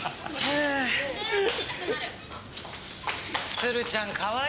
鶴ちゃんかわいいな。